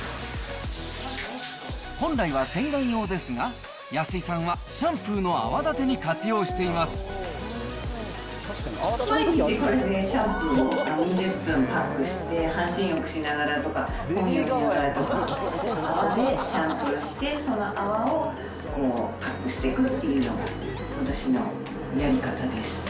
本来は洗顔用ですが、安井さんはシャンプーの泡立てに活用しています。